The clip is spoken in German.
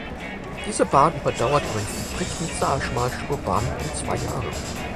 Diese Bahn überdauerte die übrigen Prignitzer Schmalspurbahnen um zwei Jahre.